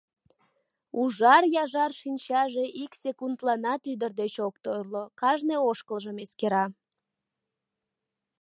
Ужар яжар шинчаже ик секундланат ӱдыр деч огеш торло, кажне ошкылжым эскера.